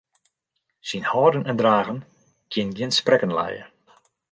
Syn hâlden en dragen kin gjin sprekken lije.